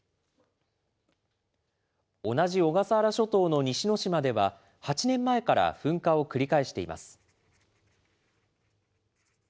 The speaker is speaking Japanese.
同じ小笠原諸島の西之島では８年前から噴火を繰り返しています。